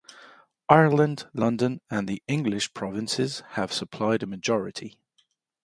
Ireland, London and the English provinces have supplied a majority.